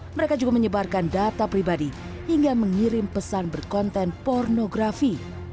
mereka juga menyebarkan data pribadi hingga mengirim pesan berkonten pornografi